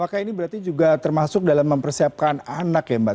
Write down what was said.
apakah ini berarti juga termasuk dalam mempersiapkan anak ya mbak